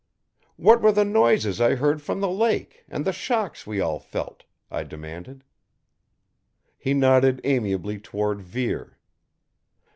"What were the noises I heard from the lake, and the shocks we all felt?" I demanded. He nodded amiably toward Vere.